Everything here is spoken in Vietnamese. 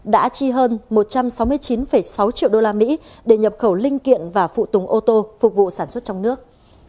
đã chi hơn một trăm sáu mươi chín sáu triệu usd để nhập khẩu linh kiện và phụ tùng ô tô phục vụ sản xuất trong nước